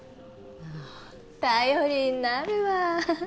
ああ頼りになるわ